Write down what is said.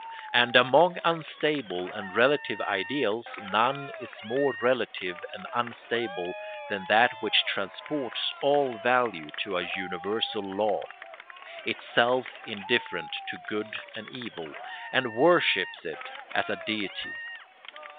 And among unstable and relative ideals none is more relative and unstable than that which transports all value to a universal law, itself indifferent to good and evil, and worships it as a deity.